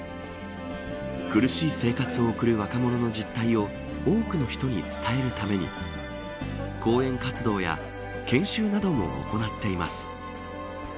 苦しい生活を送る若者の実態を多くの人に伝えるために講演活動や研修なども行っています。